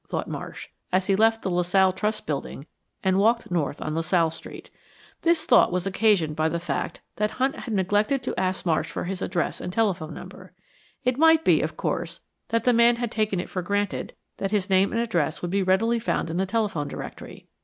thought Marsh, as he left the La Salle Trust Building and walked north on La Salle Street. This thought was occasioned by the fact that Hunt had neglected to ask Marsh for his address and telephone number. It might be, of course, that the man had taken it for granted that his name and address would be readily found in the telephone directory.